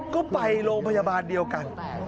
ก็ไปโรงพยาบาลเดียวกัน